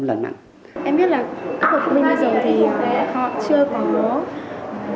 em biết là các học viên bây giờ thì họ chưa có mối quan hệ